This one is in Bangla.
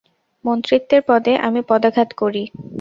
মন্ত্রিত্বের পদে আমি পদাঘাত করি।